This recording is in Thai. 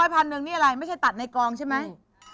๕๐๐พันนึงนี่อะไรไม่ใช่ตัดในกลองใช่มั้ย